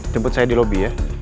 tempet saya di lobby ya